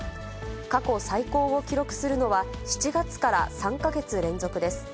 過去最高を記録するのは、７月から３か月連続です。